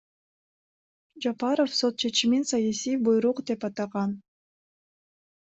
Жапаров сот чечимин саясий буйрук деп атаган.